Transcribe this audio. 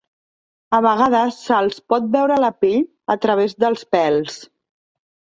A vegades se'ls pot veure la pell a través dels pèls.